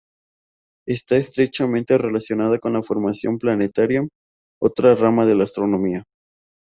Está estrechamente relacionada con la formación planetaria, otra rama de la astronomía.